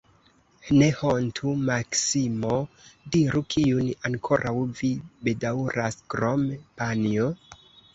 Ne hontu, Maksimo, diru, kiun ankoraŭ vi bedaŭras, krom panjo?